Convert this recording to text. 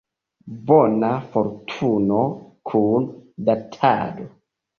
Bona fortuno kun Datado.